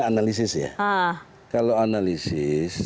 analisis ya kalau analisis